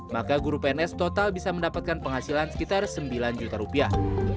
maka guru pns total bisa mendapatkan penghasilan sekitar sembilan juta rupiah